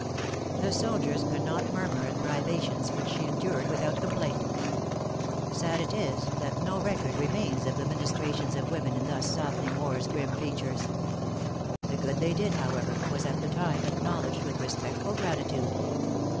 The soldiers could not murmur at privations which she endured without complaint. Sad it is, that no record remains of the ministrations of women in thus softening war's grim features. The good they did, however, was at the time acknowledged with respectful gratitude.